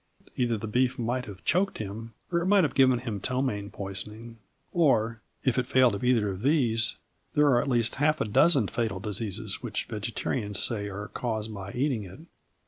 Either the beef might have choked him or it might have given him ptomaine poisoning, or, if it failed of either of these, there are at least half a dozen fatal diseases which vegetarians say are caused by eating it.